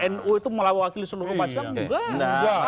nu itu melewati seluruh masyarakat